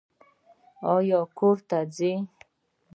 ایا کور ته ځئ؟